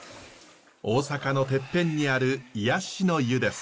大阪のてっぺんにある癒やしの湯です。